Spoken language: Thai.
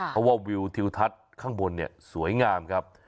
เพราะว่าวิวทิวทัศน์ข้างบนเนี่ยสวยงามครับ